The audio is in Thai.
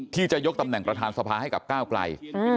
ที่จะยกตำแหน่งประธานสภาให้กับก้าวไกล